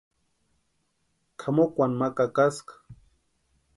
Kʼamukwani ma kakaska.